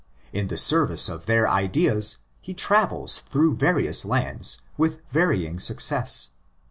In the service of their ideas he travels through various lands with varying success.